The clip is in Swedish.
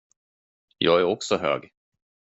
Jag är också hög.